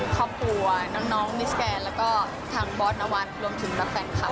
ครอบครัวน้องมิสแกนแล้วก็ทางบอสนวันรวมถึงแฟนคลับ